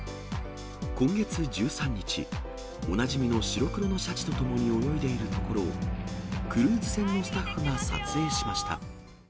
今月１３日、おなじみの白黒のシャチと共に泳いでいるところを、クルーズ船のスタッフが撮影しました。